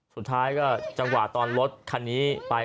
สุดท้ายก็จังหวะตอนรถคันนี้ไป